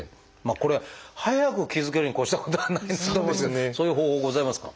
これは早く気付けるに越したことはないなと思うんですけどそういう方法ございますか？